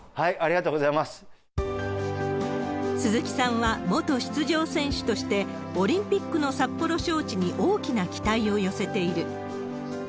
鈴木さんは元出場選手として、オリンピックの札幌招致に大きな期待を寄せている。